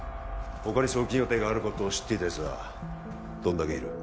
他に送金予定があることを知っていたやつはどんだけいる？